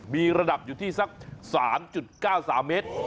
มีระดับอยู่ที่สัก๓๙๓เมตร